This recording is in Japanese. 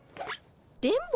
電ボ？